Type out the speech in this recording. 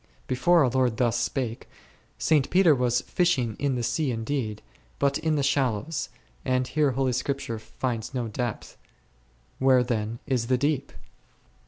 Before our Lord thus spake, St. Peter was fishing in the sea indeed, but in the shallows, and here Holy Scripture finds no depth ; where then is the deep